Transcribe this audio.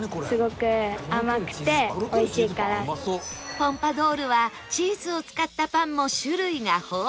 ポンパドウルはチーズを使ったパンも種類が豊富